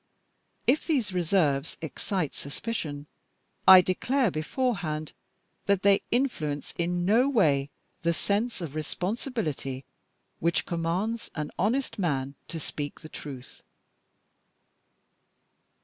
If these reserves excite suspicion, I declare beforehand that they influence in no way the sense of responsibility which commands an honest man to speak the truth.